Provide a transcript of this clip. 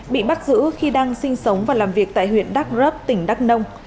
bị bắt giữ khi đang sinh sống và làm việc tại huyện đắk rớp tỉnh đắk nông